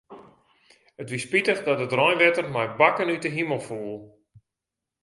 It wie spitich dat it reinwetter mei bakken út 'e himel foel.